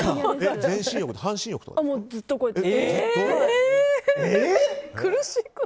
ずっとこうやって。